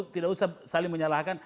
tidak usah saling menyalahkan